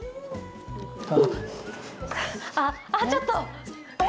ああ、ちょっと。